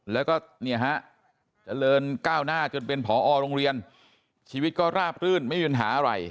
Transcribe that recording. แล้วก็เนี่ยฮะเจริญก้าวหน้าจนเป็นผอโรงเรียนชีวิตก็ราบรื่นไม่มีปัญหาอะไร